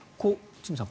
堤さん